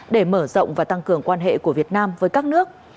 để mở rộng và tăng cường quan hệ của việt nam với các nước